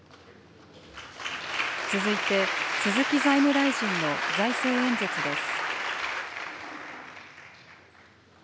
続いて、鈴木財務大臣の財政演説です。